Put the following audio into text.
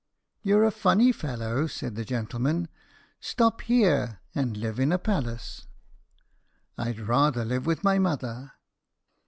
"You're a funny fellow," said the gentleman; "stop here and live in a palace." "I'd rather live with my mother."